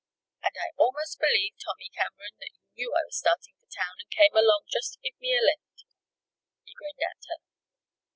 "And I almost believe, Tommy Cameron, that you knew I was starting for town and came along just to give me a lift." He grinned at her.